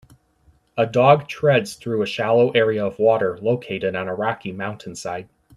A dog treads through a shallow area of water located on a rocky mountainside.